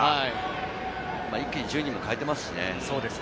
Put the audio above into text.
一気に１０人代えてますしね。